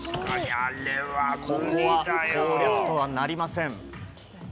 ここは、攻略とはなりません。